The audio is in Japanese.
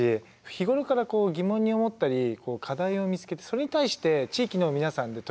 日頃から疑問に思ったり課題を見つけてそれに対して地域の皆さんで取り組む。